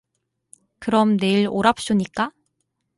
그럼, 내일 오랍쇼니까?